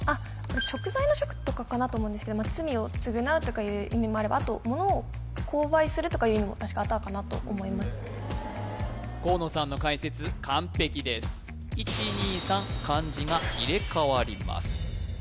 贖罪の贖と思うんですけど罪を償うとかいう意味もあればあと物を購買するとかいう意味も確かあったかなと思います河野さんの解説完璧です１２３漢字が入れ替わります